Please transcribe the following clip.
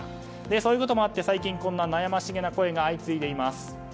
そういうこともあって最近こんな悩ましげな声が相次いでいます。